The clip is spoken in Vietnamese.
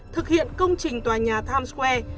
thực hiện công trình tòa nhà times square